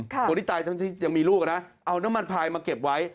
คนที่ตายทั้งที่ยังมีลูกนะเอาน้ำมันพายมาเก็บไว้